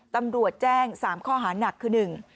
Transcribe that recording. ตำรวจแจ้ง๓ข้อหานักคือ